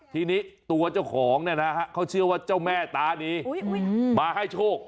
ทีนี้ตัวเจ้าของเขาเชื่อว่าเจ้าแม่ตานี้มาให้โชค